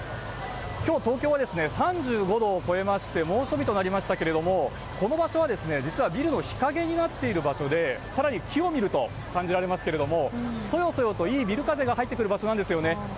今日東京は３５度を超えまして猛暑日となりましたけどこの場所は実はビルの日陰になっている場所で更に木を見ると感じられますけどもそよそよと、いいビル風が入る場所なんですね。